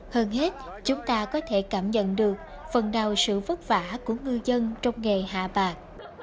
hơn hết chúng ta có thể cảm nhận được phần nào sự vất vả của ngư dân trong nghề hạ bạc